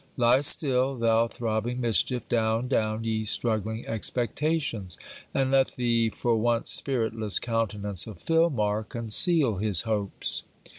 Lie still, thou throbbing mischief, down, down, ye struggling expectations! And let the for once spiritless countenance of Filmar conceal his hopes.